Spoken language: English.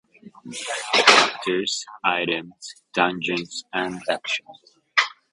Characters, Items, Dungeons and Actions.